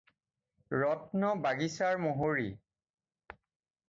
ৰত্ন বাগিচাৰ মহৰী।